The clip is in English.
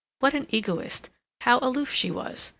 What an egoist, how aloof she was!